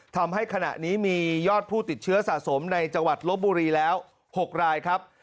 ทำให้ขณะนี้มียอดผู้ติดเชื้อสะสมในจังหวัดลบบุรีแล้ว๖รายครับ